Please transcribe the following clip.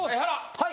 はい。